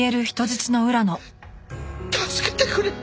助けてくれ！